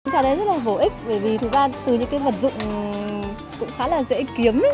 cháu đấy rất là bổ ích bởi vì thực ra từ những cái vật dụng cũng khá là dễ kiếm